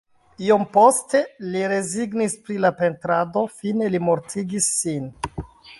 Iom poste li rezignis pri la pentrado, fine li mortigis sin.